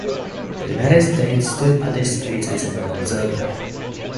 The United States still participates as an observer.